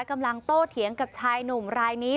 กำลังโตเถียงกับชายหนุ่มรายนี้